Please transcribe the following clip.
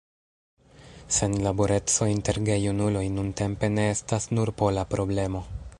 Senlaboreco inter gejunuloj nuntempe ne estas nur pola problemo.